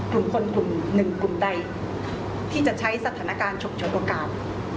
กลุ่มคนกลุ่มหนึ่งกลุ่มใดที่จะใช้สถานการณ์ฉุกเฉินโอกาส